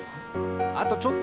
あとちょっと！